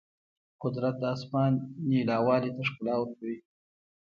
قدرت د اسمان نیلاوالي ته ښکلا ورکوي.